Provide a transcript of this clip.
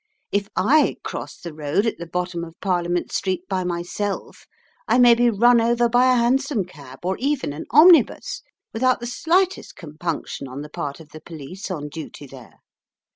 If I cross the road at the bottom of Parliament Street by myself I may be run over by a hansom cab or even an omnibus, without the slightest compunction on the part of the police on duty there.